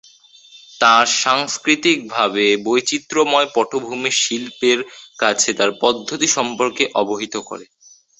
তার সাংস্কৃতিকভাবে বৈচিত্র্যময় পটভূমি শিল্পের কাছে তার পদ্ধতি সম্পর্কে অবহিত করে।